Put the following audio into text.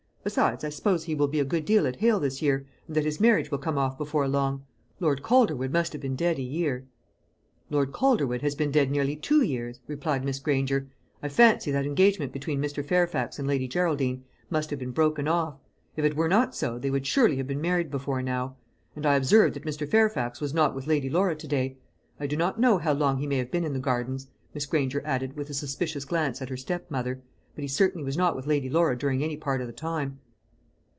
Besides, I suppose he will be a good deal at Hale this year, and that his marriage will come off before long. Lord Calderwood must have been dead a year." "Lord Calderwood has been dead nearly two years," replied Miss Granger. "I fancy that engagement between Mr. Fairfax and Lady Geraldine must have been broken off. If it were not so, they would surely have been married before now. And I observed that Mr. Fairfax was not with Lady Laura to day. I do not know how long he may have been in the gardens," Miss Granger added, with a suspicious glance at her stepmother, "but he certainly was not with Lady Laura during any part of the time."